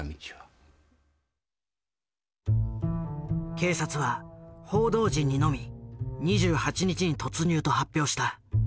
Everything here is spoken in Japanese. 警察は報道陣にのみ２８日に突入と発表した。